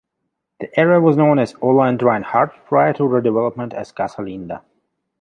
The area was known as Ola and Reinhardt prior to redevelopment as Casa Linda.